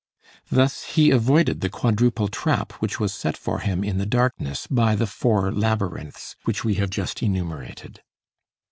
Thus he avoided the quadruple trap which was set for him in the darkness by the four labyrinths which we have just enumerated.